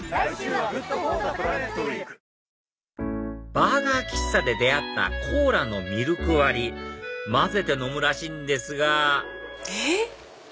バーガー喫茶で出会ったコーラのミルク割り混ぜて飲むらしいんですがえっ？